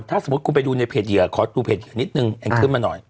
ถ้าสมมุติคุณไปดูในเพจเหยื่อขอดูเพจเหยีนิดนึงเองขึ้นมาหน่อย